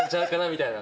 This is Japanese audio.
みたいな。